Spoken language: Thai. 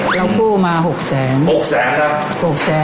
เราคู่มา๖๐๐๐๐๐บาท